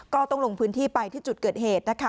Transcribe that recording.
ก็ต้องลงพื้นที่ไปที่จุดเกิดเหตุนะคะ